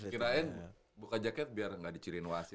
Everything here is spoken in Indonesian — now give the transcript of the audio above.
kirain buka jaket biar nggak diciriin wasi